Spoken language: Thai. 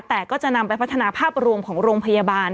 แต่ก็จะนำไปพัฒนาภาพรวมของโรงพยาบาล